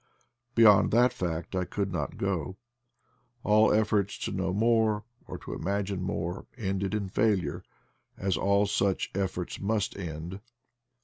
Beyond that fact I could not go : all efforts to know more, or to imagine more, ended in failure, as all such efforts must end.